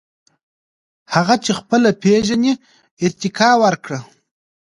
• هغه چې خپله پېژنې، ارتقاء ورکړه.